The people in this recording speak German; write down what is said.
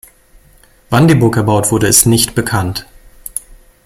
Wann die Burg erbaut wurde ist nicht bekannt.